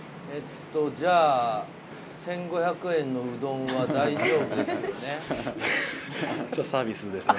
じゃあ、１５００円のうどんは大丈夫ですよね？